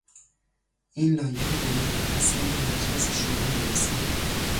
این لایحه باید به تصویب مجلس شورا برسد.